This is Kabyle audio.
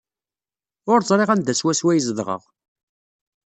Ur ẓriɣ anda swaswa ay zedɣeɣ.